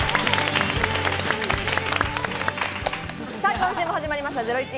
今週も始まりました『ゼロイチ』。